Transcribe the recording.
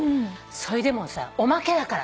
それでもさおまけだから。